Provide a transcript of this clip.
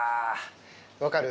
分かる？